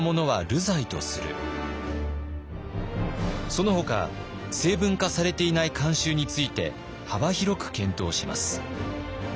そのほか成文化されていない慣習について幅広く検討します。